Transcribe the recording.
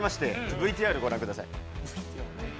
ＶＴＲご覧ください。